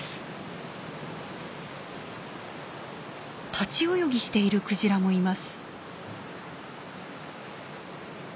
立ち泳ぎしているクジラもいます。